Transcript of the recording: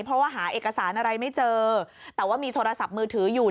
เพราะว่าหาเอกสารอะไรไม่เจอแต่ว่ามีโทรศัพท์มือถืออยู่